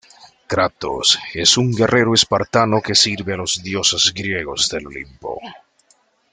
Kratos es un guerrero espartano que sirve a los dioses griegos del Olimpo.